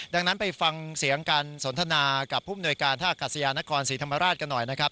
ดังนั้นไปฟังเสียงการสนทนากับผู้มนวยการท่ากัศยานครศรีธรรมราชกันหน่อยนะครับ